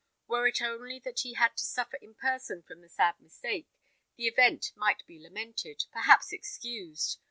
Were it only that he had to suffer in person from the sad mistake, the event might be lamented, perhaps excused.